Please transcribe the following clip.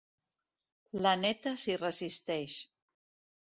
La néta s'hi resisteix.